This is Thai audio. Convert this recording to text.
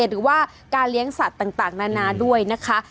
หรือว่าการเลี้ยงสัตว์ต่างนานาด้วยนะคะ